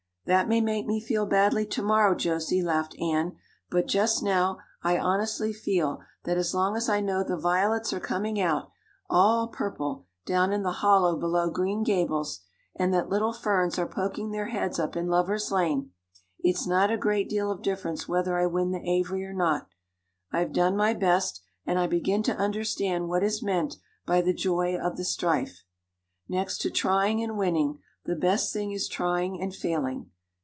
"That may make me feel badly tomorrow, Josie," laughed Anne, "but just now I honestly feel that as long as I know the violets are coming out all purple down in the hollow below Green Gables and that little ferns are poking their heads up in Lovers' Lane, it's not a great deal of difference whether I win the Avery or not. I've done my best and I begin to understand what is meant by the 'joy of the strife.' Next to trying and winning, the best thing is trying and failing.